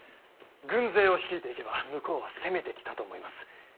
軍勢を率いていけば向こうは攻めてきたと思います。